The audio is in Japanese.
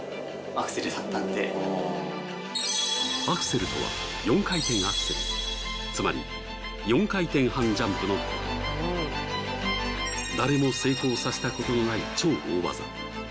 アクセルとは４回転アクセルつまり４回転半ジャンプのこと誰も成功させたことのない超大技